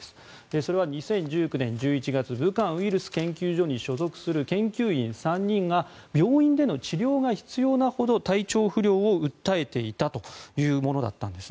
それは２０１９年１１月武漢ウイルス研究所に所属する研究員３人が病院での治療が必要なほど体調不良を訴えていたというものだったんです。